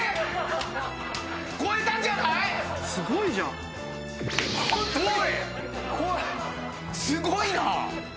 すごいな！